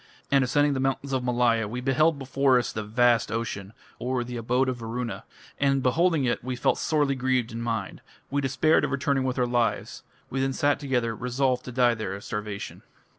And ascending the mountains of Malaya, we beheld before us the vast ocean (or, "the abode of Varuna"). And beholding it, we felt sorely grieved in mind.... We despaired of returning with our lives.... We then sat together, resolved to die there of starvation."